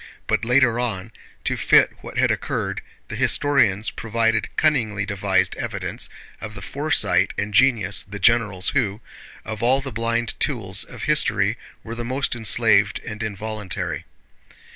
But later on, to fit what had occurred, the historians provided cunningly devised evidence of the foresight and genius of the generals who, of all the blind tools of history were the most enslaved and involuntary.